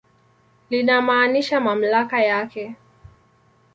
Linamaanisha mamlaka yake.